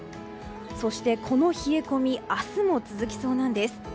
そして、この冷え込み明日も続きそうなんです。